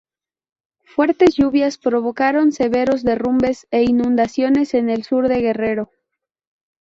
Fuertes lluvias provocaron severos derrumbes e inundaciones en el sur de Guerrero.